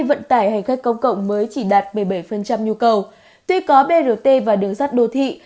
vận tải hành khách công cộng mới chỉ đạt một mươi bảy nhu cầu tuy có brt và đường sắt đô thị